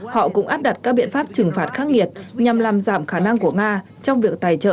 họ cũng áp đặt các biện pháp trừng phạt khắc nghiệt nhằm làm giảm khả năng của nga trong việc tài trợ